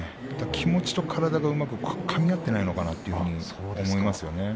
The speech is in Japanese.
気持ちと、体がうまくかみ合っていないのかなと思います。